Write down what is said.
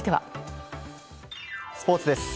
スポーツです。